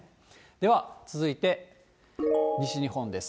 では続いて、西日本です。